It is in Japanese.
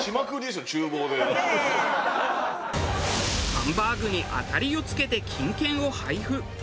ハンバーグに当たりを付けて金券を配布。